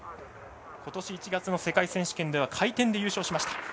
今年１月の世界選手権では回転で優勝しました。